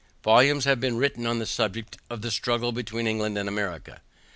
Volumes have been written on the subject of the struggle between England and America.